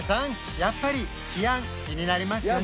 やっぱり治安気になりますよね？